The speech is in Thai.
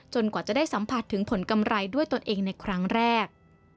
กว่าจะได้สัมผัสถึงผลกำไรด้วยตนเองในครั้งแรก